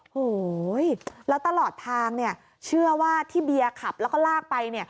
โอ้โหแล้วตลอดทางเนี่ยเชื่อว่าที่เบียร์ขับแล้วก็ลากไป